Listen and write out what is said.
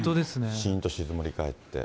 しんと静まり返って。